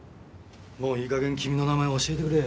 もういい加減君の名前教えてくれよ。